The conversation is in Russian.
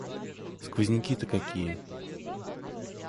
Сквозняки-то какие!